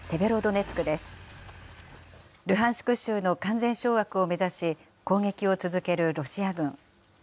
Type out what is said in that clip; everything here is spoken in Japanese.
州の完全掌握を目指し、攻撃を続けるロシア軍。